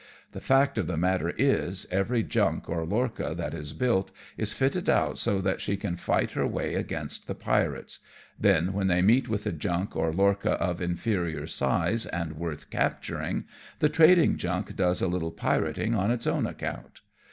The fact of the matter is, every junk or lorcha that is built is fitted out so that she can fight her way against the pirates; then, when they meet with a junk or lorcha of inferior size and worth capturing, the trading junk does a little pirating on his own account.